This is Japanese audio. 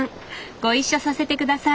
ご一緒させて下さい！